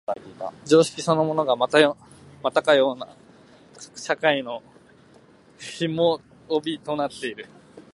常識そのものがまたかような社会の紐帯となっている。